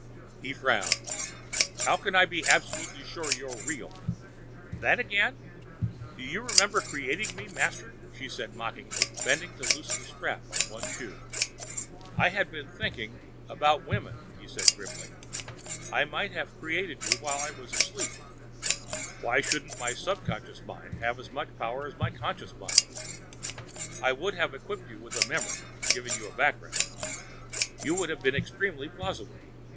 He frowned. "How can I be absolutely sure you're real?" "That again? Do you remember creating me, Master?" she asked mockingly, bending to loosen the strap on one shoe. "I had been thinking about women," he said grimly. "I might have created you while I was asleep. Why shouldn't my subconscious mind have as much power as my conscious mind? I would have equipped you with a memory, given you a background. You would have been extremely plausible.